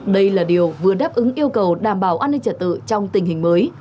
đây là điều vừa đáp ứng yêu cầu đảm bảo an ninh trật tự trong tình hình mới